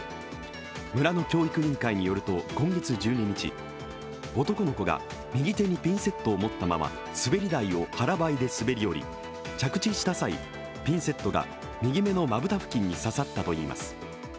村の教育委員会によると今月１２日、男の子が右手にピンセットを持ったまま滑り台を腹ばいで滑り降り着地した際、ピンセットが右目のまぶた付近に刺さったということです。